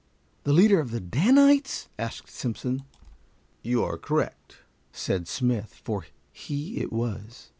the leader of the Danites?" asked Simpson. "You are correct," said Smith, for he it was.